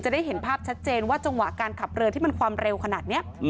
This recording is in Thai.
ได้เห็นภาพชัดเจนว่าจังหวะการขับเรือที่มันความเร็วขนาดนี้